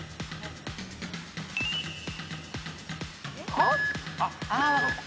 はっ？